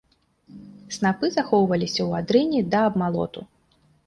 Снапы захоўваліся ў адрыне да абмалоту.